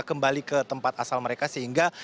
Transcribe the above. kembali ke tempat asal mereka sehingga